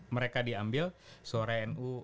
mereka diambil sore nu